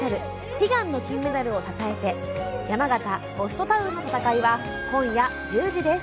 「“悲願の金メダル”を支えて山形ホストタウンの闘い」は今夜１０時です。